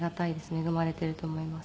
恵まれていると思います。